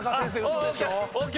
ＯＫ！